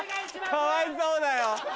かわいそうだよ！